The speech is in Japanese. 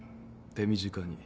手短に。